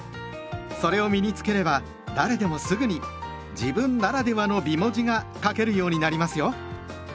それを身に付ければ誰でもすぐに「自分ならではの美文字」が書けるようになりますよ。